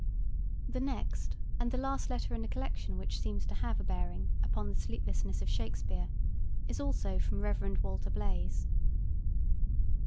The next, and the last letter in the collection which seems to have a bearing upon the sleeplessness of Shakespeare, is also from Rev. Walter Blaise.